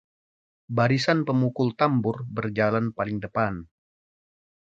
barisan pemukul tambur berjalan paling depan